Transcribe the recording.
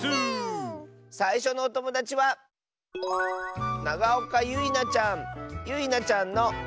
さいしょのおともだちはゆいなちゃんの。